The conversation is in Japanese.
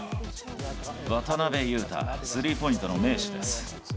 渡邊雄太、スリーポイントの名手です。